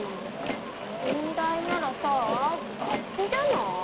音大ならさ楽器じゃない？